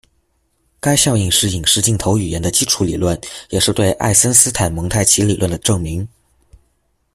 该效应是影视镜头语言的基础理论，也是对爱森斯坦蒙太奇理论的证明。